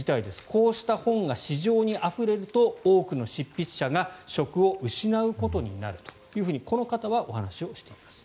こうした本が市場にあふれると多くの執筆者が職を失うことになるとこの方はお話ししています。